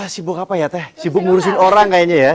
sibuk apa ya teh sibuk ngurusin orang kayaknya ya